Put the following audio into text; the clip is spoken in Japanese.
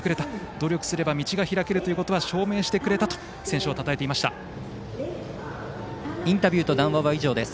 努力すれば道が開けるということは証明してくれたとインタビューと談話は以上です。